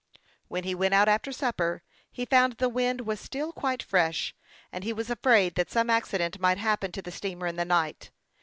When he went out after supper, he found the wind was still quite fresh, and he was afraid that some acci dent might happen to the steamer in the night.